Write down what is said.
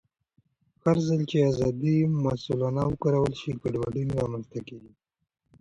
هرځل چې ازادي مسؤلانه وکارول شي، ګډوډي نه رامنځته کېږي.